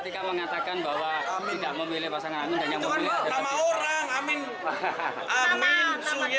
ketika mengatakan bahwa tidak memilih pasangan anies baswedan mohaimin iskandar